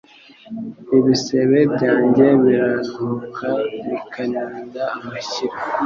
Ibisebe byanjye biranuka bikaninda amashyira